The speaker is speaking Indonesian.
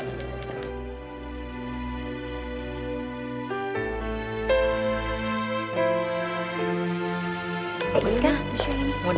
modalnya juga lucu